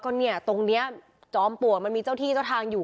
ก็เนี่ยตรงนี้จอมปลวกมันมีเจ้าที่เจ้าทางอยู่